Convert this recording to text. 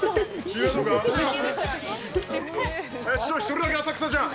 １人だけ浅草じゃん。